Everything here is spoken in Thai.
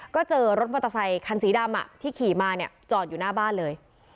ก็เจอรถมอเตอร์ไซคันสีดำที่ขี่มาเนี่ยจอดอยู่หน้าบ้านเลย